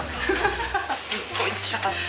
すっごいちっちゃかった。